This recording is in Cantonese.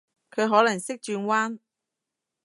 佢可能識轉彎？